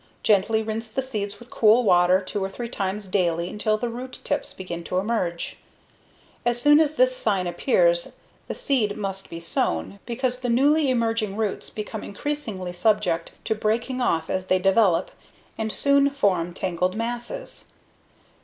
Gently rinse the seeds with cool water two or three times daily until the root tips begin to emerge. As soon as this sign appears, the seed must be sown, because the newly emerging roots become increasingly subject to breaking off as they develop and soon form tangled masses.